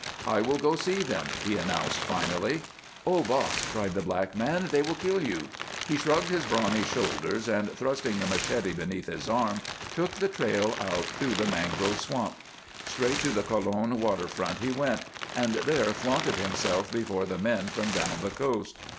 "I will go see them," he announced, finally. "Oh, boss," cried the black man, "they will kill you!" He shrugged his brawny shoulders and, thrusting the machete beneath his arm, took the trail out through the mangrove swamp. Straight to the Colon water front he went, and there flaunted himself before the men from down the coast.